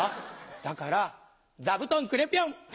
だから座布団くれピョン！